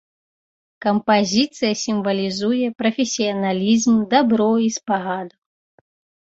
Кампазіцыя сімвалізуе прафесіяналізм, дабро і спагаду.